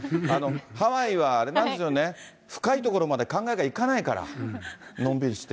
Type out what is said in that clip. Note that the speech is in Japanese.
ハワイはあれなんですよね、深いところまで考えがいかないから、のんびりして。